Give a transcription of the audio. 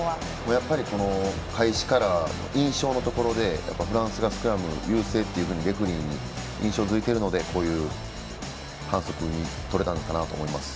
やっぱり開始から印象のところでフランスがスクラム優勢とレフリーに印象付けているのでこういう反則がとれたのかなと思います。